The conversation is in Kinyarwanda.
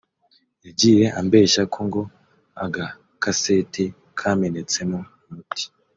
Yagiye ambeshya ko ngo agakaseti kamenetsemo umuti